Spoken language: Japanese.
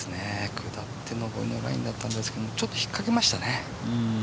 下って上りのラインだったんですけどちょっと引っかけましたね。